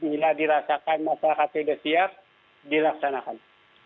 bila dirasakan masyarakat sudah siap dilaksanakan